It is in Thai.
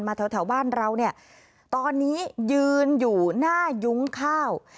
แถวบ้านเราเนี่ยตอนนี้ยืนอยู่หน้ายุ้งข้าว